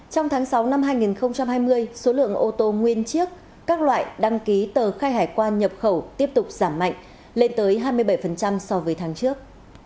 trong tháng sáu năm hai nghìn hai mươi số lượng ô tô nguyên chiếc các loại đăng ký tờ khai hải quan nhập khẩu tiếp tục giảm mạnh lên tới hai mươi bảy so với tháng trước